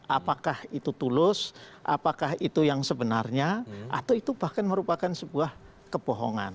apakah itu tulus apakah itu yang sebenarnya atau itu bahkan merupakan sebuah kebohongan